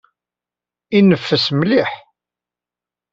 Ineffes mliḥ.